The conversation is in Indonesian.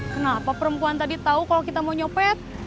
kenapa perempuan tadi tau kalo kita mau nyopet